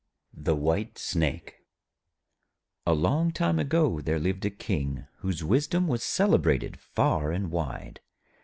The White Snake A long time ago there lived a King whose wisdom was celebrated far and wide.